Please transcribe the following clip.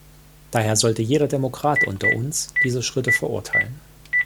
Daher sollte jeder Demokrat unter uns diese Schritte verurteilen.